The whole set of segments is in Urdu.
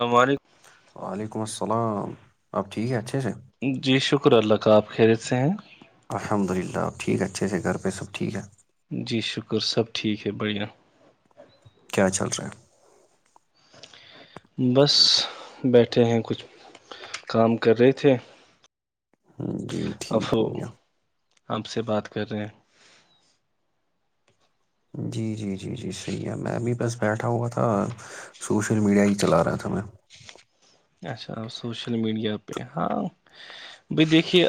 ہمارے وعلیکم السلام اب ٹھیک ہے اچھے سے جی شکر اللہ کا آپ خریت سے ہیں الحمد للہ آپ ٹھیک ہے اچھے سے گھر پہ سب ٹھیک ہے بڑیا کیا چل رہے بس بیٹھے ہیں کچھ کام کر رہے تھے ہ جی اب ٹھیک ہو گیا آپ سے بات کر رہے ہیں جی جی جی جی جی صحی ہے میں اب س بیٹھا ہوا تھا سوشل میڈیا ہی چلا رہا تھا میں اچھا سوشل میڈیا پہ ہاں بائی دیکھیے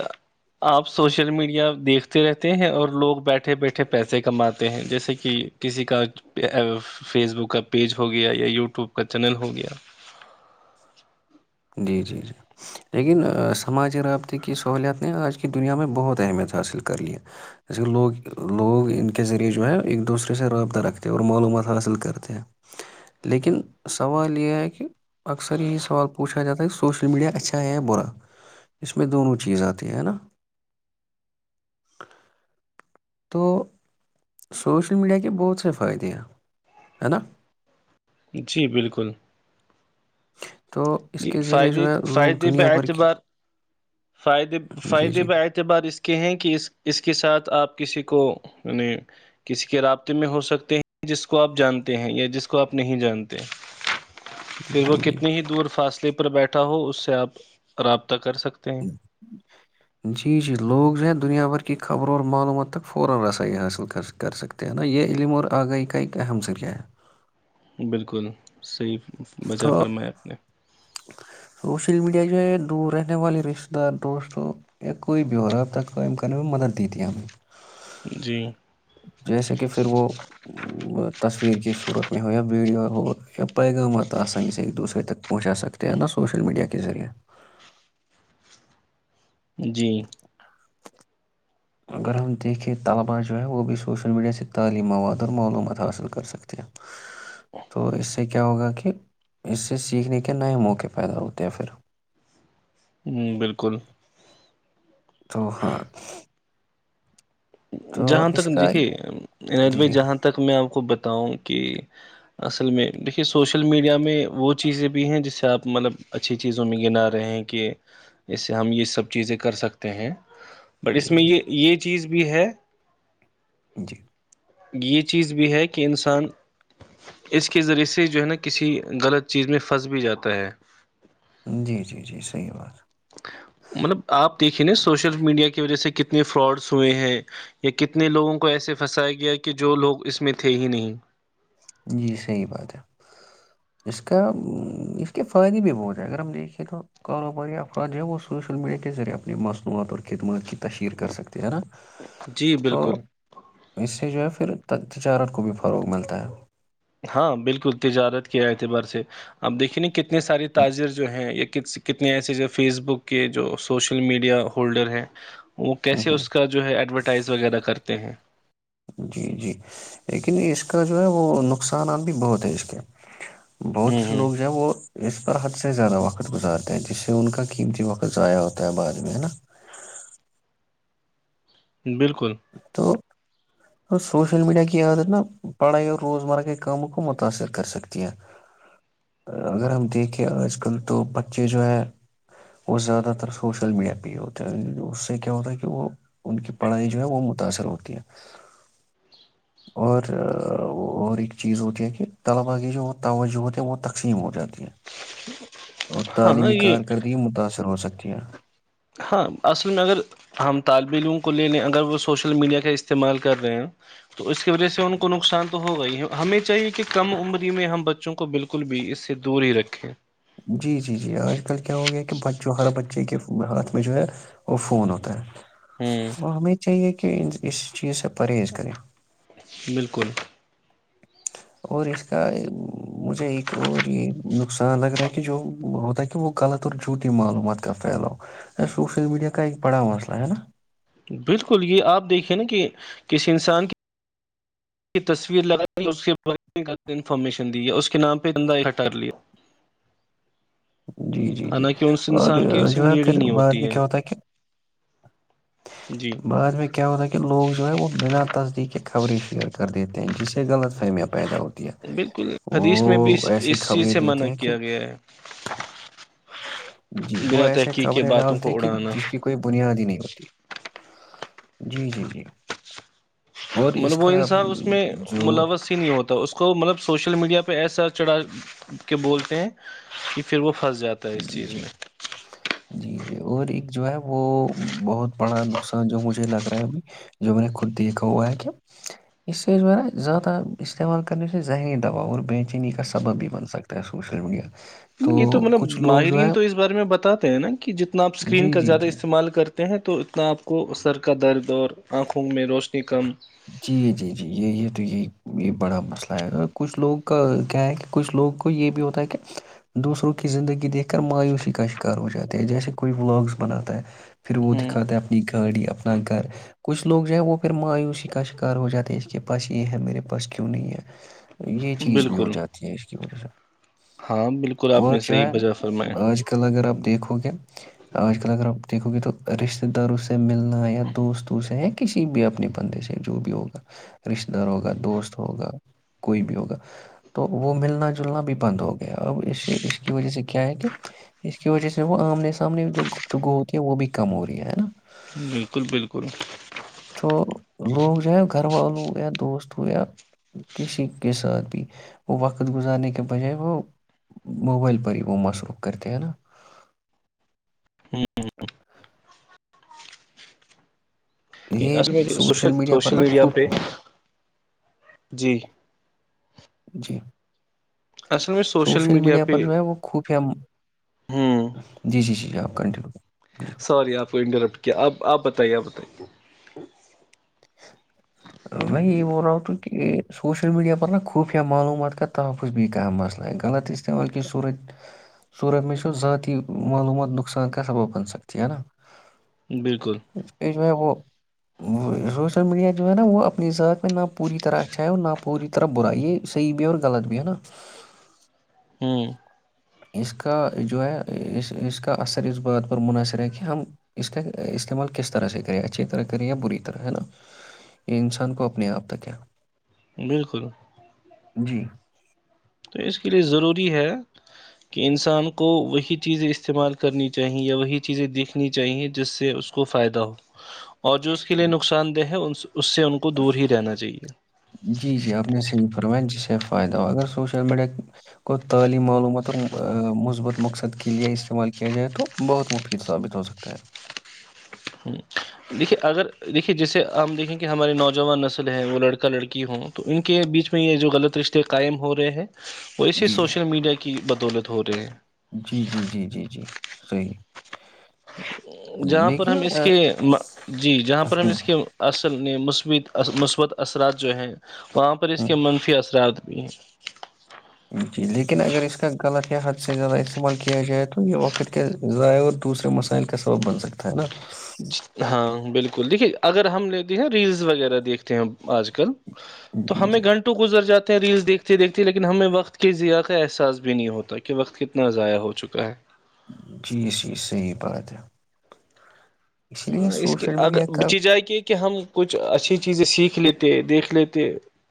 آپ سوشل میڈیا دیکھتے رہتے ہیں اور لوگ بیٹھے بیٹھے پیسے کماتے ہیں جیسے کہ کسی کا فیس بک کا پیج ہو گیا یا یوٹیوب کا چینل ہو گیا جی جی جی لیکن سماجی رابطے کی سہولیات نے آج کی دنیا میں بہت اہمیت حاصل کر لی جیسے لوگ لوگ ان کے ذریعے جو ہے ایک دوسرے سے رابطہ رکھتے ہیں اور معلومات حاصل کرتے ہیں لیکن سوال یہ ہے کہ اکثر یہی سوال پوچھا جاتا ہے سوشل میڈیا اچھا ہے برا اس میں دونوں چیزیں اتی ہیں نا تو سوشل میڈیا کے بہت سے فائدے ہیں نا جی بالکل تو اس جی کے ذریعے فائدے جو ہے لوگ فائدے ب دنیا بھر کی اعتبار فائدے جی فائدے جی ب اعتبار اس کے ہیں کہ اس کے ساتھ آپ کسی کو یعنی کسی کے رابطے میں ہو سکتے ہیں جس کو آپ جانتے ہیں یا جس کو آپ نہیں جانتے جی جی سلیپر بیٹھا ہو اس سے آپ راب تک جی جی لوگ زیاد اور کی خبروں اور معلوموں تک فورا ایسا ہی حاصل کر سکتے ہیں نا یہ علم اور اگئی ک ہم سے کیا ہے بالکل صحی تو سوشل میڈیا جو ہے دور رہنے والے رشتے دار دوستوں یا کوئی بھی ہو رہا ہے اب تک قائم کرنے میں مدد دیتی ہے ہمیں جی جیسے کہ پھر وہ تصویر کی صورت میں ہو یا ویڈیو ہو یا پیغامات آسانی سے ایک دوسرے تک پہنچا سکتے ہیں نہا سوشل میڈیا کے ذریعے جی اگر ہم دیکھیں طلبا جو ہے وہ بھی سوشل میڈیا سے تعلیم مواد اور معلومات حاصل کر سکتے ہیں تو اس سے کیا ہوگا کہ اس سے سیکھنے کے نئے موقع پیدا ہوتے ہیں پھر ہوں بالکل تو ہاں تو جہاں اس تک کا دیکھیے عیت جی بھائی جی جہاں تک میں آپ کو بتاؤں کہ اصل میں دیکھیے سوشل میڈیا میں وہ چیزیں بھی ہیں جس سے آپ مطلب اچھی چیزوں میں گنا رہے ہیں کہ اسسے ہم یہ سب چیزیں کر سکتے ہیں بٹ اس جی میں جی یہ یہ چیز بھی ہے جی یہ چیز بھی ہے کہ انسان اس کے ذریعے سے جو ہے نا کسی غلط چیز میں پھنس بھی جاتا ہے جی جی جی صحیح بات مطلب آپ دیکھیں نا سوشل میڈیا کی وجہ سے کتنے فراڈس ہوئے ہیں یا کتنے لوگوں کو ایسے پھنسایا گیا ہے کہ جو لوگ اس میں تھے ہی نہیں جی صحیح بات ہے اس کا اس کے فائدے بھی بہت ہے اگر ہم دیکھیں تو کاروباری افراد جو ہے وہ سوشل میڈیا کے ذریعے اپنی مصنوعات اور خدمات کی تشہیر کر سکتے ہے نا جی تو بالکل اس جو ہے پھر تجارت کو بھی فروغ ملتا ہے ہاں بالکل تجارت کیا ا تھبار سے آپ دیکیں ن کتنی ساری تاجر جو ہیں ایک ک کتنے ایسے جو فیس بک کے جو سوشل میڈیا ہولڈر ہیں وہ ہوں کیسے ہوں اس کا جو ہے ایڈورٹائز وغیرہ کرتے ت ہیں جی جی لیکن اس کا جو ہے وہ نقصانات بھی بہت ہے اس کے بہت ہوں سے ہوں لوگ جو ہے وہ اس پر حد سے زیادہ وقت گزارتے ہیں جس سے ان کا قیمتی وقت ضائع ہوتا ہے بعد میں ہے نا بالکل تو سوشل میڈیا کی عادت نا پڑھائی اور روزمرہ کے کاموں کو متاثر کر سکتی ہیں اگر ہم دیکھیں آج کل تو بچے جو ہے وہ زیادہ تر سوشل میڈیا پہ ہی ہوتے ہیں اس سے کیا ہوتا ہے کہ وہ ان کی پڑھائی وہ متاثر ہوتی ہے اور ایک چیز ہوتی ہے کہ طلباء کی جو توجہ ہوتی ہے وہ تقسیم ہو جاتی ہے اور ہاں تعلیمی یہ کارکردگی متاثر ہو سکتی اچچیا ہاں اصل میں اگر ہم طالب علم کو ل لنے اگر وہ سوشل میڈیا کا استعمال کر رہے ہیں تو اس کی وجہ سے ان کو نقصان تو ہوگا ہی ہے ہمیں چاہیے کہ کم عمری میں ہم بچوں کو بالکل بھی اس سے دور ہی رکھیں جی جی جی آج کل کیا ہو گیا کہ بچوں ہر بچے کے ہاتھ میں جو ہے وہ فون ہوتا ہے ہوں وہ ہمیں چاہیے کہ کہ اس چیز سے پرہیز کریں بالکل اور اس کا مجھے ایک اور یہ نقصان لگ رہا ہے کہ جو ہوتا ہے کہ وہ غلط اور جھوٹی معلومات کا پھیلاؤ سوشل میڈیا کا ایک بڑا مسئلہ ہے نا بالکل یہ آپ دیکھیں نا کہ کس انسان کی کی تصویر لگا اس کے بار غلط انفارمیشن دی گیا اس کے نام پہ دندہ ہٹار لیا جی جی جی حالانکہ اس اور انسان کی اسے جو ہے نیڈ ہی پھر نہیں بعد ہوتی میں ہے کیا ہوتا کہ جی بعد میں کیا ہوتا ہے کہ لوگ جو ہے وہ بنا تصدیق کے خبریں شیئر کر دیتے تھی جی سر غلط فہمیاں پیدا ہوتی ہے بالکل حدیث میں بھی وہ اس ایسی اس چیز خبریں سے دیتے منع ہیں کہ کیا گیا ہے جی وہ بنا ایسے تحقیق کے خبریں باتوں کو ڈالتے کہ اڑانا جس کی کوئی بنیادی نہیں ہوتی جی جی جی اور اس مطلب وہ کا انسان اس میں جو ملوث ہی نہیں ہوتا اس کو مطلب سوشل میڈیا پہ ایسا چڑھا کے بولتے ہیں کہ پھر وہ پھنس جاتا ہے اس جی چیز جی میں جی اور ایک جو ہے وہ بہت بڑا نقصان جو مجھے لگ رہا ہےب جو میں نے خود دیکھا ہوا ہے کیا اس سے جو ہے نا زیادہ استعمال کرنے سے ذہنی دباؤ اور بے چینی کا سبب بھی بن سکتا ہے سوشل میڈیا یہ تو م کچھ لوگ جو ہے ماہرین تو اس بارے میں بتاتے ہیں نا کہ جتنا آپ اسکرین جی کا جی زیادہ جی جی استعمال کرتے ے ہیں تو اتنا آپ کو سر کا درد اور آنکھوںکھ میں روشنی کم جی جی جی یہ یہ تو یہی یہ بڑا مسئلہ ہے کچھ لوگوں کا کیا ہے کہ کچھ لوگ کو یہ بھی ہوتا ہے کہ دوسروں کی زندگی دیکھ کر مایوسی کا شکار ہو جاتے ہیں جیسے کوئی بلاگس بناتا ہے پھر وہ ہوں دکھاتا ہے اپنی گاڑی اپنا گھر کچھ لوگ جو ہے وہ پھر مایوسی کر کا شکار ہو جاتے ہے اس کے پاس یہ ہے میرے پاس کیوں نہیں ہے یہ چیز بھی ہو بالکل جاتی ہے اس کی وجہ سے ہاں بالکل آپ اور نے جو صحیح ہے بجا فرمایا آج کل اگر آپ دیکھو گے آج کل اگر آپ دیکھو گے تو رشتے داروں سے ملنا یا دوستوں سے یا کسی بھی اپنے بندے سے جو بھی ہوگا رشتے دار ہوگا دوست ہوگا کوئی بھی ہوگا تو وہ ملنا جلنا بھی بند ہو گیا اور اس اس کی وجہ سے کیا ہے کہ اس کی وجہ سے وہ آمنے سامنے جو گفتگو ہوتی ہے وہ بھی کم ہو رہی ہے نا بالکل بالکل تو لوگ جو ہے گھر والوں ہو یا دوست ہو یا کسی کے ساتھ بھی وہ وقت گزارنے کے بجائے وہ موبائل پر ہی وہ مصروخ کرتے ہیں نا یہ اصل میں سوشل پر سوشل نا میڈیا خوب پہ جی جی اصل میں سوشل میڈیا پہ پر جو ہے وہ خوفیا جی جی جیپ کنٹینیو جی سوراری آپ کو انٹرپٹ کیا آپ آپ بتائیے آپ بتائیے میں یہ بول رہا ہوں ت کہ سوشل میڈیا پر ن نہ خوفیہ معلومات کا تحفظ بھی کا مسلہ ہے غلط استعمال صور صورت میں س ذاتی معلومات نقصان کا سبت بن سکتی ہے نا بالکل اس پہ جو ہے وہ وہ سوشل میڈیا ہے نا وہ اپنی ذ میں نہ پور طرح اچھا ہے نہ پوری طرح برا یہ صحیح بھی اورغ نا ت اس کا جو ہے اس اس کا اثر اس بات پر منحصر ہے کہ ہم اس کا استعمال کس طرح سے کریں اچھی طرح کریں یا بری طرح ہے نا یہ انسان کو اپنے آپ تک ہے بالکل جی تو اس کے لیے ضروری ہے کہ انسان کو وہی چیزیں استعمال کرنی چاہیے یا وہی چیزیں دیکھنی چاہیے جس سے اس کو فائدہ ہو اور جو اس کے لئے نقصان دہ ہے اس سے ان کو دور ہی رہنا چاہیے ونٹ جسے فائدہ ہو اگر سوشل میڈیا کو تعلیم معلومات اور مثبت مقصد کے لے استعمال کیا جائے تو بہت مفید ثابت ہو سکتا ہے دیکھیے اگر دیکھیے جیسے ہم دیکھیں کہ ہمارے نوجوان نسل ہیں وہ لڑکا لڑکی ہوں تو ان کے بیچ میں یہ جو غلط رشتے قائم ہو رہے ہیں وہ اسی جی، جی۔ سوشل میڈیا کی بدولت دورے جی جی جی جی جی صحیح جہاں پر لیکن ہم اس آ کے جی جہاں پر ہم ہوں، اس کے اص نے مثبت مثبت اثرات جو ہیں وہاں پر اس ہوں، کے منفی اثرات یہ جی لیکن اگر اس کا غلط یا حد سے زیادہ استعمال کیا جائے تو یہ وقت کے ضائع اور دوسرے مسائل کا سبب بن سکتا ہے نا ہاں بالکل دیکھیے اگر ہم لتے ہیں ریلز وغیرہ دیکھتے ہیں آج کل تو جی، ہمیں جی، گھنٹوں گزر جاتا ریلس دیکھتی دیکھتی لیکن ہمیں وقت کے ضیاع کا احسا بھی نہیں ہوتا کہ وقت کتنا ضائع ہو چکا ہے جی جی صحیح بات ہے لیے ہاں اس کی سوشل اگر میڈیا کا بچی جائے کہ کہ ہم کچھ اچھی چیزیں سیکھ لیتے دیکھ لیتے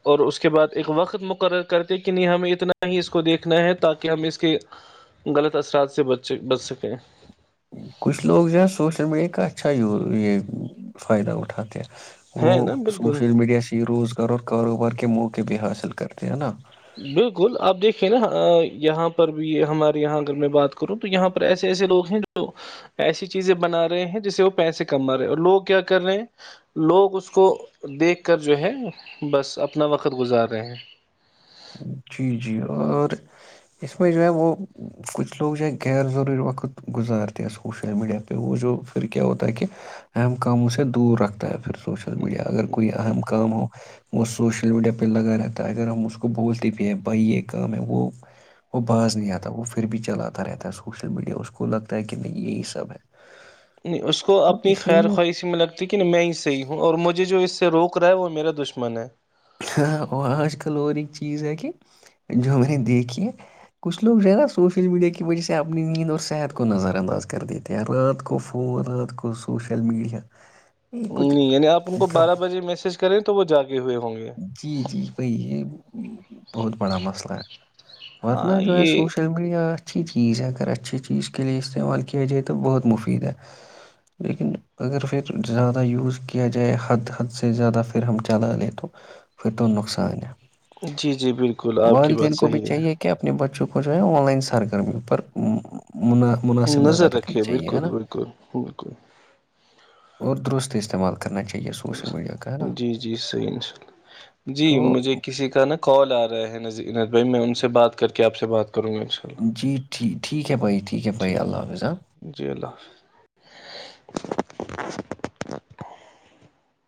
اور اس کے بعد ایک وقت مقرر کرتے کہ نہیں ہمیں اتنا ہی اس کو دیکھنا ہے تاکہ ہم اس کے غلط اثرات سے بچ بچ سکیں کچھ لوگ جو ہے سوشل میڈیا کا اچھاو یہ فائدہ اٹھاتے وہ ہے نا بالکل سوشل میڈیا سے روزگار اور کاروبار کے موقع بھی حاصل کرتے ہیں نا بالکل آپ دیکھیے نا یہاں پر بھی ہمارے یہاں اگر میں بات کروں تو یہاں پر ایسے ایسے لوگ ہیں جو ایسی چیزیں بنا رہے ہیں جسے وہ پیسے کما رہے ہیں اور لوگ کیا کر رہے ہیں لوگ اس کو دیکھ کر جو ہے بس اپنا وقت گزار رہے ہیں جی جی اور اس میں جو ہے وہ کچھ لوگ جو ہے غیر ضروری وقت گزارتے ہیں سوشل میڈیا پہ وہ جو پھر کیا ہوتا ہے کہ اہم کاموں سے دور رکھتا ہے پھر سوشل میڈیا اگر کوئی اہم کام ہو وہ سوشل میڈیا پہ لگا رہتا ہے اگر ہم اس کو اس کو بولتے بھی ہیں بھائی یہ کام ہے وہ وہ باز نہیں آتا وہ پھر بھی چلاتا رہتا ہے سوشل میڈیا اس کو لگتا ہے کہ نہیں یہی سب ہے نہیں اس کو تو اپنی اسی خیر لیے خواہشی میں لگتی ہے کہ میں ہی صحی ہوں اور مجھے جو اس سے روک رہا ہے وہ میرا دشمن ہے ہ آج کل اور ایک چیز ہے کہ جو میں نے دیکھی ہے کچھ لوگ جو ہے نا سوشل میڈیا کی وجہ سے اپنی نیند اور صحت کو نظر انداز کر دیتے ہیں رات کو فون رات کو سوشل میڈیا یہ کچھ نہیں یع آپ ان کو بارہ بجے میسج کریں تو وہ جا کے جی جی بی یہ بہت بڑا مسئلہ ہے ورنہ ہاں جو ہے یہ سوشل میڈیا اچھی چیز ہے اگر اچھی چیز کے لیے استعمال کیا جائے تو بہت مفید ہے لیکن اگر پھر زیادہ یوز کیا جائے حد حد سے زیادہ پھر ہم چلا لیں تو پت توو نقصان جی جی بالکل آپ کی بات صحیح ہے چک جو ہے آن لائن سرگرمی پر منا- مناسب نظر رکھنی رکھے چاہیے بالکل ہے نا بالکل بالکل اور درست استعمال کر جی جی صحیح ان شاء اللہ جی تو مجھے کسی کا نا کال آ رہا ہے ن بھائی میں ان سے بات کر کے آپ سے بات کر جیٹ ٹھیک ہے بھائی ٹھیک ہے بھائی اللہ حافظ آ جی اللہ حافظ